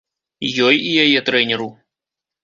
Ёй і яе трэнеру.